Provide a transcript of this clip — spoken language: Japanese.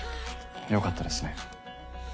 良かったですね。